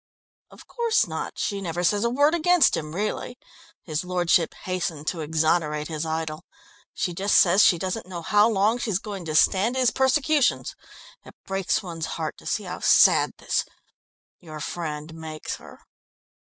"Of course not. She never says a word against him really." His lordship hastened to exonerate his idol. "She just says she doesn't know how long she's going to stand his persecutions. It breaks one's heart to see how sad this your friend makes her."